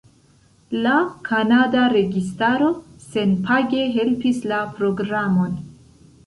La kanada registaro senpage helpis la programon.